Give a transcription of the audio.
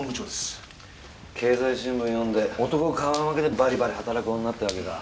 経済新聞読んで男顔負けでバリバリ働く女ってわけか。